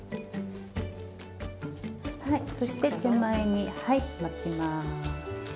そして手前に巻きます。